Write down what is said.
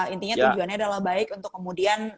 intinya tujuannya adalah baik untuk kemudian